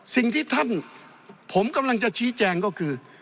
สิ่งที่ท่านผมกำลังจะชี้แจงก็คือ